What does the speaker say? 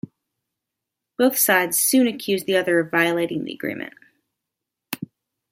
Both sides soon accused the other of violating the agreement.